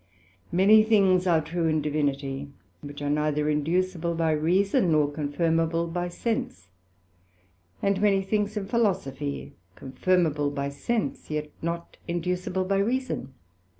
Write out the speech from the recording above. Many things are true in Divinity, which are neither inducible by reason, nor confirmable by sense; and many things in Philosophy confirmable by sense, yet not inducible by reason.